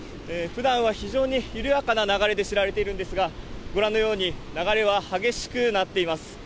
ふだんは非常に緩やかな流れで知られているんですが、ご覧のように、流れは激しくなっています。